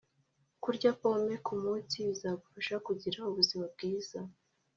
kurya pome kumunsi bizagufasha kugira ubuzima bwiza.